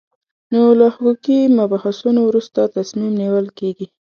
نو له حقوقي مبحثونو وروسته تصمیم نیول کېږي.